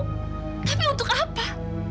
tapi untuk apa